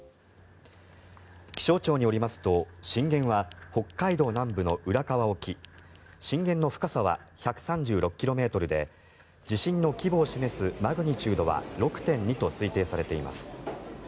気象庁によりますと震源は北海道南部の浦河沖震源の深さは１３６ｋｍで地震の規模を示すマグニチュードは６．２と推定されています。